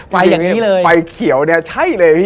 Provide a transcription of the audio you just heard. ฝ่ายเหี้ยวเนี่ยใช่เลยพี่